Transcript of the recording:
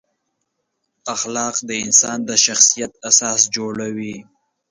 اخلاق د انسان د شخصیت اساس جوړوي.